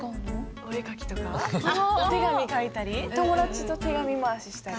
お絵描きとかお手紙書いたり友達と手紙回ししたり。